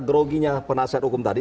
groginya penasihat hukum tadi